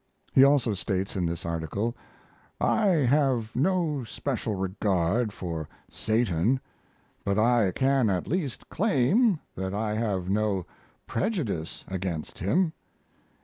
He also states in this article: I have no special regard for Satan, but I can at least claim that I have no prejudice against him.